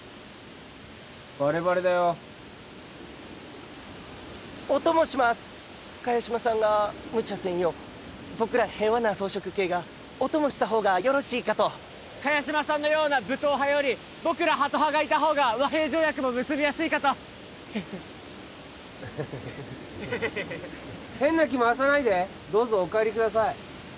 バレバレだよお供します萱島さんが無茶せんよう僕ら平和な草食系がお供した方がよろしいかと萱島さんのような武闘派より僕らハト派がいた方が和平条約も結びやすいかと変な気回さないでどうぞお帰りください